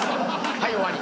はい終わり。